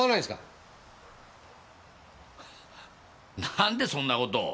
何でそんな事を。